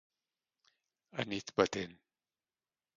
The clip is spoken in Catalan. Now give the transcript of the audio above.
A nit batent.